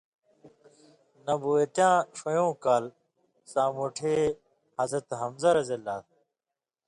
نبوتیاں ݜویؤں کال، سامٹَھیں حضرت حمزہ رض